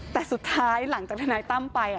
แต่สุดท้ายหลังจากทนายตั้มไป